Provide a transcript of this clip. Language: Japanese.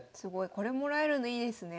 これもらえるのいいですね。